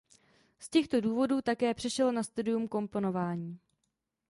Z těchto důvodů také přešel na studium komponování.